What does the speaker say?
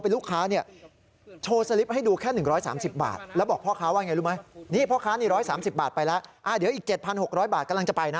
อ้าวเดี๋ยวอีก๗๖๐๐บาทกำลังจะไปนะ